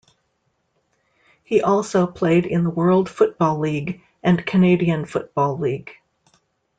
He also played in the World Football League and Canadian Football League.